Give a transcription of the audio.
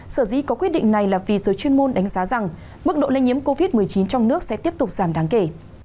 sở dĩ có quyết định này là vì giới chuyên môn đánh giá rằng mức độ lây nhiễm covid một mươi chín trong nước sẽ tiếp tục giảm đáng kể